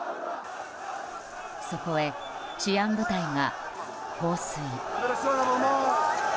そこへ治安部隊が放水。